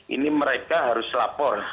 ini mereka harus lapor